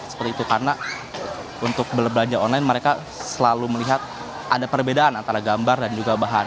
seperti itu karena untuk berbelanja online mereka selalu melihat ada perbedaan antara gambar dan juga bahan